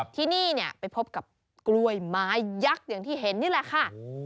ที่นี่ไปพบกับกล้วยไม้ยักษ์อย่างที่เห็นนี่แหละค่ะ